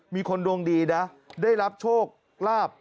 มีคนดวงดีนะได้รับโชคลาภ